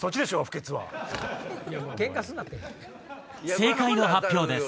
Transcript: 正解の発表です。